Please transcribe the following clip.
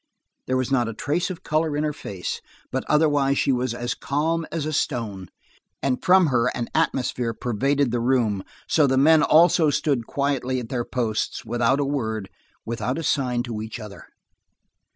There was not a trace of color in her face, but otherwise she was as calm as a stone, and from her an atmosphere pervaded the room, so that men also stood quietly at their posts, without a word, without a sign to each other.